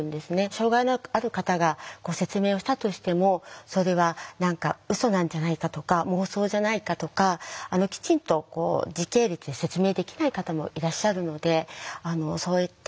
障害のある方が説明をしたとしてもそれは何かうそなんじゃないかとか妄想じゃないかとかきちんと時系列で説明できない方もいらっしゃるのでそう言って聞いてもらえない。